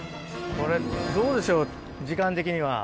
これ、どうでしょう、時間的には。